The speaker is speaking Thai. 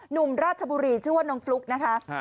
หนุ่มราชบุรีชื่อว่าน้องฟลุ๊กนะคะ